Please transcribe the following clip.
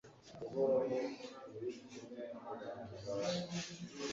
Uhoraho turi kumwe arantabara